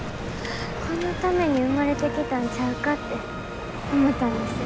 このために生まれてきたんちゃうかって思ったんです。